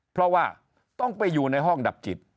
เพราะว่าต้องไปอยู่ในห้องดับจิต